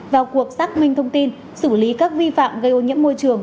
vào cuộc xác minh thông tin xử lý các vi phạm gây ô nhiễm môi trường